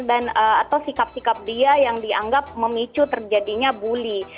atau sikap sikap dia yang dianggap memicu terjadinya bully